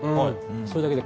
それだけで。